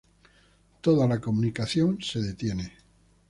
Toda la comunicación se detiene.